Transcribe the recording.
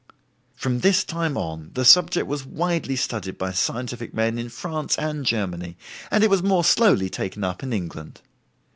From this time on the subject was widely studied by scientific men in France and Germany, and it was more slowly taken up in England.